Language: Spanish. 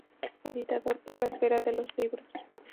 Editado por La Esfera de los Libros.